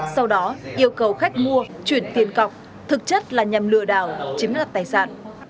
sau đó yêu cầu khách mua chuyển tiền cọc thực chất là nhằm lừa đảo chiếm đoạt tài sản